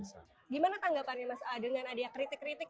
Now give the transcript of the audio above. gimana kan pak dengan adanya kritik kritik